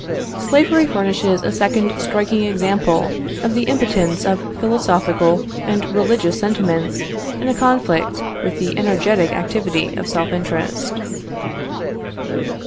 Slavery furnishes a second striking example of the impotence of philosophical and religious sentiments in a conflict with the energetic activity of self interest.